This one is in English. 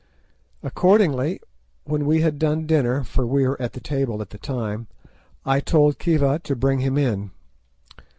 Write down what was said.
Accordingly, when we had done dinner, for we were at table at the time, I told Khiva to bring him in.